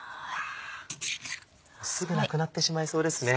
すぐなくなってしまいそうですね。